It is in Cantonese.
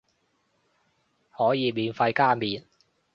可以免費加麵